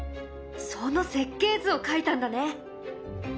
その設計図を描いたんだね。